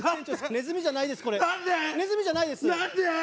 ネズミじゃないです。